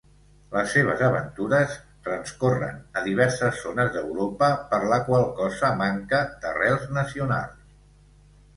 Les seves aventures transcorren a diverses zones d'Europa, per la qual cosa manca d'arrels nacionals.